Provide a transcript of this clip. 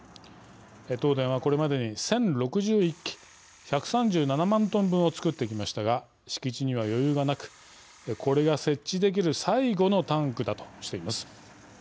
東電はこれまでに１０６１基１３７万トン分を作ってきましたが敷地には余裕がなくこれが設置できる最後のタンクだとしています。